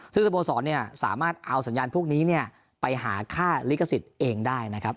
ซึ่งสโมสรสามารถเอาสัญญาณพวกนี้ไปหาค่าลิขสิทธิ์เองได้นะครับ